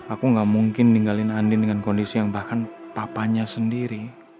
aku gak mungkin ninggalin andin dengan kondisi yang bahkan papanya sendiri